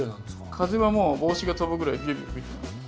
風はもう帽子が飛ぶぐらいビュービュー吹いてますね。